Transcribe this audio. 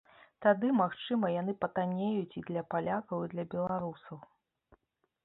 Тады, магчыма, яны патаннеюць і для палякаў, і для беларусаў.